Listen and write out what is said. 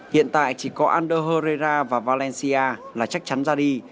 hiện tại chỉ có ander herrera và valencia là chắc chắn ra đi